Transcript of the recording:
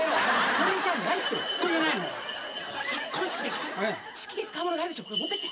これ持ってって。